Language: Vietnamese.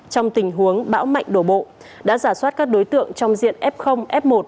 trong tình huống bão mạnh đổ bộ đã giả soát các đối tượng trong diện f f một